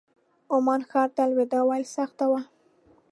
عمان ښار ته الوداع ویل سخته وه.